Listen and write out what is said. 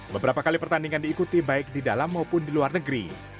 beberapa kali pertandingan diikuti baik di dalam maupun di luar negeri